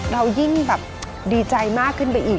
เรายิ่งแบบดีใจมากขึ้นไปอีก